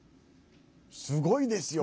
すごいですよ。